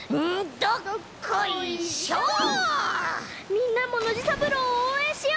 みんなもノジさぶろうをおうえんしよう！